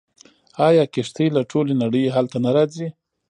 آیا کښتۍ له ټولې نړۍ هلته نه راځي؟